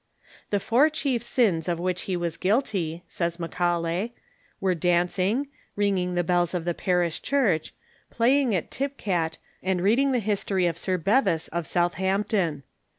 "The four chief sins of which he was guilty," says Macaulay, " were dancing, ringing the bells of the parish church, playing at tip cat, and reading the history of Sir Bevis of Southampton.